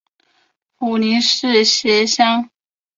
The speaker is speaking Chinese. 普宁市辖乡。